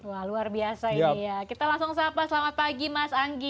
wah luar biasa ini ya kita langsung sapa selamat pagi mas anggi